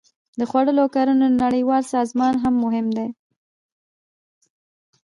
د خوړو او کرنې نړیوال سازمان هم مهم دی